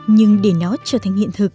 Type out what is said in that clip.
nhưng để nó trở thành hiện thực